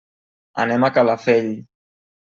Anem a Calafell.